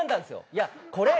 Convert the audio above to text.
いやこれ。